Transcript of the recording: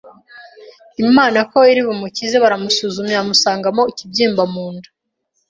Imana ko iri bumukize baramusuzumye bamusangana ikibyimba munda